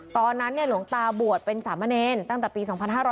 ตอนนั้นหลวงตาบวชเป็นสามะเนรตั้งแต่ปี๒๕๐๘๒๕๑๔